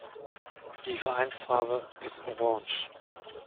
Die Vereinsfarbe ist Orange.